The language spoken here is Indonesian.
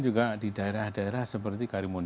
juga di daerah daerah seperti karimun